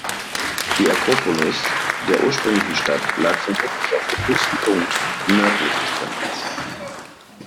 Die Akropolis der ursprünglichen Stadt lag vermutlich auf dem höchsten Punkt nördlich des Tempels.